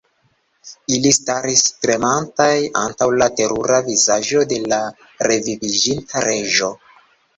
Ili staris tremantaj antaŭ la terura vizaĝo de la reviviĝinta Reĝo.